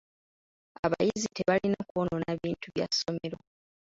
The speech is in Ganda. Abayizi tebalina kwonoona bintu bya ssomero.